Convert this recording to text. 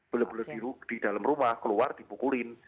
boleh boleh di dalam rumah keluar dipukulin